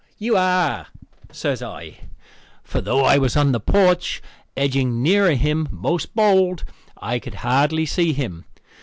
"You are," says I, for though I was on the porch edging nearer him most bold, I could hardly see him.